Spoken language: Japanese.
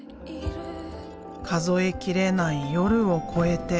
数えきれない夜を超えて。